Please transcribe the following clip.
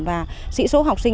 và sĩ số học sinh